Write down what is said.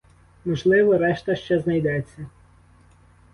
Можливо, решта ще знайдеться.